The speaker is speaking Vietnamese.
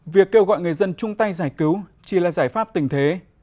việc kêu gọi người dân chung tay giải cứu chỉ là giải pháp tình thế